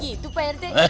gitu pak rt